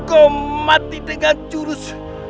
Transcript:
kamu mati dengan jurus